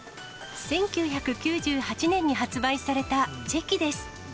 １９９８年に発売されたチェキです。